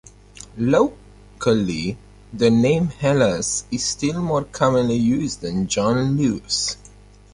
Locally, the name Heelas is still more commonly used than John Lewis.